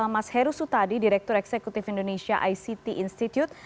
mas heru sutadi direktur eksekutif indonesia ict institute